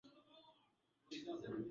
hata nao wazikabithi heshima zao.